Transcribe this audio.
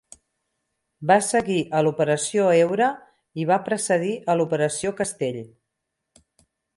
Va seguir a l'"Operació heura" i va precedir a l'"Operació castell".